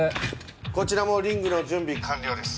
こちらもリングの準備完了です。